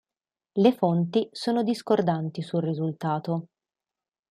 Le fonti sono discordanti sul risultato.